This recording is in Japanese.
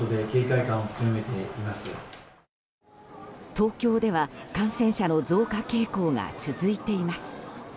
東京では感染者の増加傾向が続いています。